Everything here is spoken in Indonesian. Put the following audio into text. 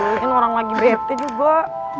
mungkin orang lagi bft juga